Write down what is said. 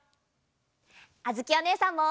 あづきおねえさんも！